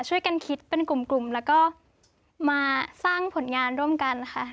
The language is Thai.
ช่วยกันคิดเป็นกลุ่มแล้วก็มาสร้างผลงานร่วมกันค่ะ